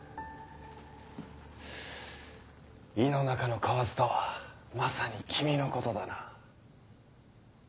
井の中の蛙とはまさに君のことだな。